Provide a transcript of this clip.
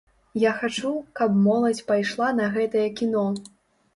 Я хачу, каб моладзь пайшла на гэтае кіно.